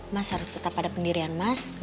mas harus tetap ada pendirian mas